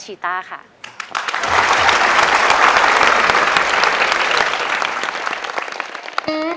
ขอบคุณครับ